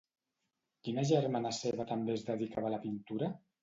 Quina germana seva també es dedicava a la pintura?